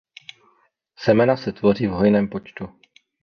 Semena se tvoří v hojném počtu.